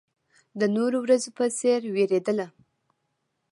د نورو ورځو په څېر وېرېدله.